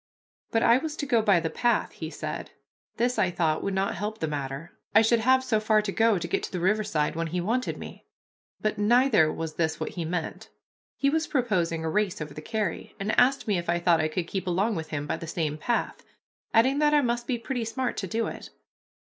But I was to go by the path, he said. This I thought would not help the matter, I should have so far to go to get to the riverside when he wanted me. But neither was this what he meant. He was proposing a race over the carry, and asked me if I thought I could keep along with him by the same path, adding that I must be pretty smart to do it.